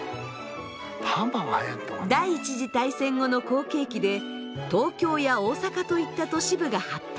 第一次大戦後の好景気で東京や大阪といった都市部が発達。